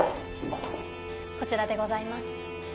こちらでございます